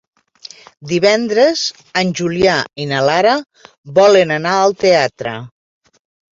Divendres en Julià i na Lara volen anar al teatre.